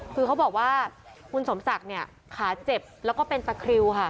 คือเขาบอกว่าคุณสมศักดิ์เนี่ยขาเจ็บแล้วก็เป็นตะคริวค่ะ